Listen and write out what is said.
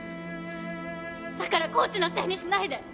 だからコーチのせいにしないで。